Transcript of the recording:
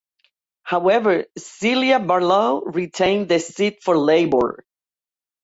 However, Celia Barlow retained the seat for Labour.